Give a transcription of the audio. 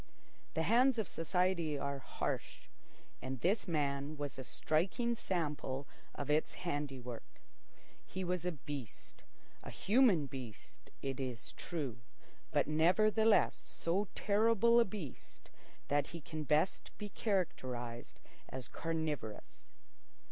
The hands of society are harsh, and this man was a striking sample of its handiwork. He was a beast—a human beast, it is true, but nevertheless so terrible a beast that he can best be characterised as carnivorous.